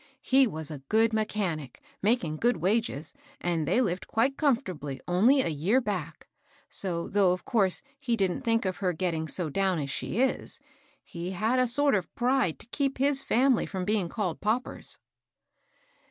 He was a good mechanic, making good wages, and they lived quite comfortably only a year back ; so, though of course he didn't think of her getting so down as she is, he had a sort of pride to keep his fiunily from being called paupers."